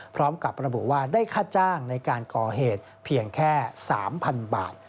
พร้อมกับระบุว่าได้ค่าจ้างในการก่อเหตุเพียงแค่๓๐๐๐บาท